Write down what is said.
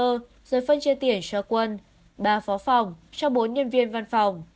rồi phân chia tiền cho quân